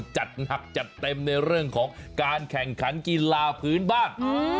จัดหนักจัดเต็มในเรื่องของการแข่งขันกีฬาพื้นบ้าน